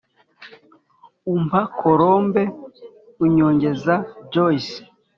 umpa " colombe " unyongeza " joyce "